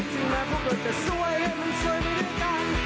ถึงแม้พวกเราจะซวยมันซวยไม่ด้วยกัน